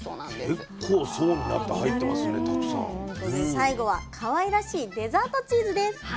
最後はかわいらしいデザートチーズです。